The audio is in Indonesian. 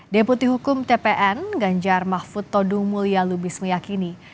deputi hukum tpn ganjar mahfud todung mulya lubis meyakini